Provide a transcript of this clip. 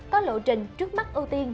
có lộ trình trước mắt ưu tiên